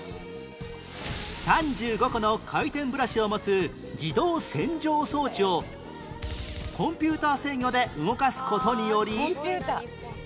３５個の回転ブラシを持つ自動洗浄装置をコンピューター制御で動かす事により